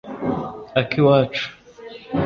Akiwacu